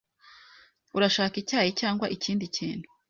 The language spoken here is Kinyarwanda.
Urashaka icyayi cyangwa ikindi kintu?